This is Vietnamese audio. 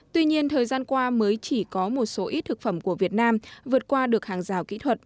tuy nhiên thời gian qua mới chỉ có một số ít thực phẩm của việt nam vượt qua được hàng rào kỹ thuật